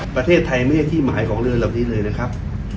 ประเทศไทยไม่ใช่ที่หมายของเรือนเหล่านี้เลยนะครับ